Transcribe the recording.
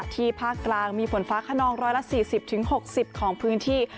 ภาคกลางมีฝนฟ้าขนอง๑๔๐๖๐ของพื้นที่